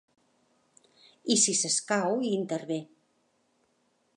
I, si s’escau, hi intervé.